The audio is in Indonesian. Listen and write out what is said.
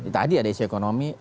tadi ada isu ekonomi